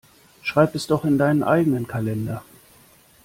Schreib es doch in deinen eigenen Kalender.